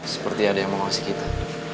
seperti ada yang mau kasih kita